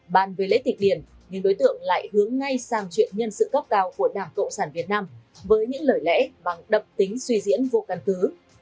bàn về lễ tịch điền những đối tượng lại hướng ngay sang chuyện nhân sự cấp cao của đảng cộng sản việt nam với những lời lẽ bằng đập tính suy diễn vô căn cứ